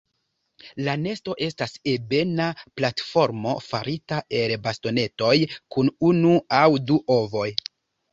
La nesto estas ebena platformo farita el bastonetoj, kun unu aŭ du ovoj.